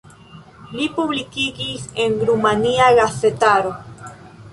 Li publikigis en rumania gazetaro.